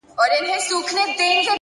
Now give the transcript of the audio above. ژور فکر سطحي تېروتنې کموي!